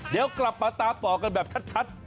เดี๋ยวกลับมาตามต่อกันแบบชัด